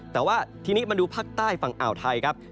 แต่ว่าทีนี้มาดูภาคใต้ฝั่งอ่าวไทยครับ